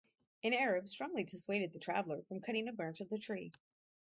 An Arab strongly dissuaded the traveller from cutting a branch of the tree.